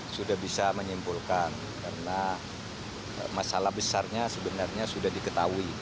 sudah bisa menyimpulkan karena masalah besarnya sebenarnya sudah diketahui